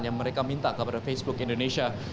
yang mereka minta kepada facebook indonesia